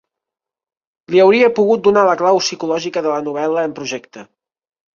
...li hauria pogut donar la clau psicològica de la novel·la en projecte.